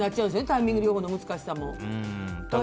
タイミング療法の難しさも。